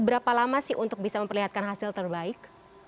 sebenarnya seberapa lama sih untuk bisa memperlihatkan hasil terbaik